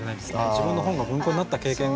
自分の本が文庫になった経験が。